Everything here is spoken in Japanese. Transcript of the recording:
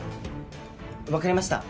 わかりました。